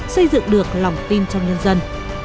xây dựng được lòng tin trong nhân dân